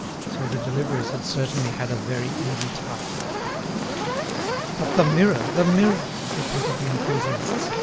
So the deliverers had certainly had a very easy task. "But the mirror, the mirror!" repeated the enthusiasts.